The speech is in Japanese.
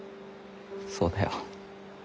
そうだよ。